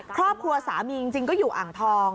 ครอบครัวสามีจริงก็อยู่อ่างทอง